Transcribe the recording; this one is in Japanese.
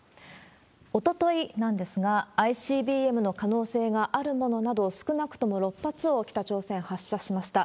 おとといなんですが、ＩＣＢＭの可能性のあるものなど、少なくとも６発を北朝鮮、発射しました。